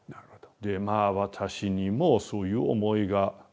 でまあ私にもそういう思いがあったと。